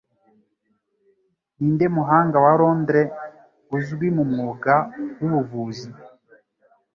Ninde Muhanga wa Londres uzwi mu mwuga Wubuvuzi